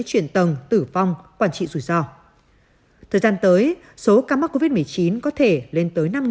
chuyển tầng tử vong quản trị rủi ro thời gian tới số ca mắc covid một mươi chín có thể lên tới năm mươi